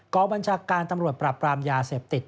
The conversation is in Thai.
บัญชาการตำรวจปรับปรามยาเสพติด